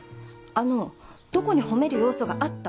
あのどこに褒める要素があった？